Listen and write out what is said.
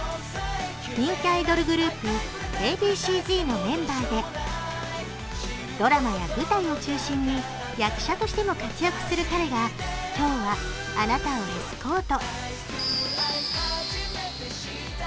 人気アイドルグループＡ．Ｂ．Ｃ−Ｚのメンバーでドラマや舞台を中心に役者としても活躍する彼が今日はあなたをエスコート。